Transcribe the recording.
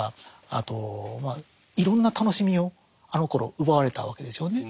あとまあいろんな楽しみをあのころ奪われたわけですよね。